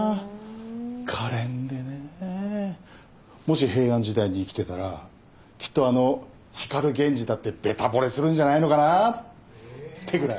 可憐でねぇもし平安時代に生きてたらきっとあの光源氏だってベタ惚れするんじゃないのかなってぐらい。